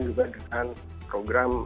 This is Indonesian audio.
juga dengan program